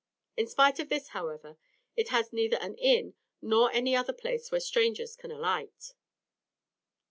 In spite of this, however, it has neither an inn nor any other place where strangers can alight.